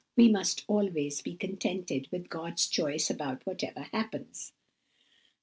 We must always be contented with God's choice about whatever happens." No.